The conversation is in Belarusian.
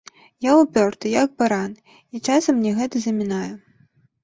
Я ўпёрты, як баран, і часам мне гэта замінае.